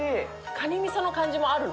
かにみその感じもあるの？